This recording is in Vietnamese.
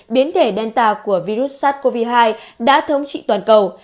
biến thể danta của virus sars cov hai đã thống trị toàn cầu